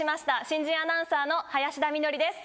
新人アナウンサーの林田美学です